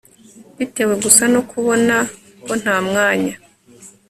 bitewe gusa no kubona ko nta mwanya